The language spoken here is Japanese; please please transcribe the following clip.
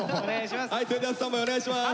それではスタンバイお願いします。